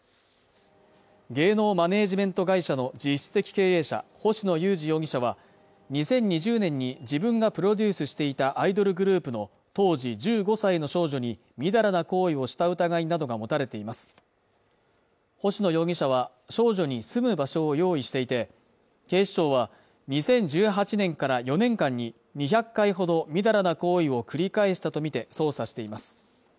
芸能マネジメント会社の実質的経営者、星野友志容疑者は２０２０年に自分がプロデュースしていたアイドルグループの当時１５歳の少女にみだらな行為をした疑いなどが持たれています星野容疑者は少女に住む場所を用意していて、警視庁は２０１８年から４年間に２００回ほどみだらな行為を繰り返したとみて捜査しています。